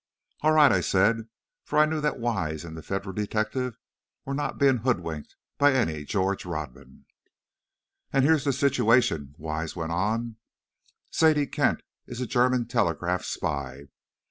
"All right," I said, for I knew that Wise and the Federal Detective were not being hoodwinked by any George Rodman! "And here's the situation," Wise went on; "Sadie Kent is a German telegraph spy.